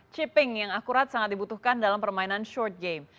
chipping yang akurat sangat dibutuhkan dalam permainan short game